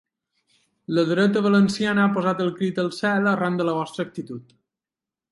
La dreta valenciana ha posat el crit al cel arran de la vostra actitud.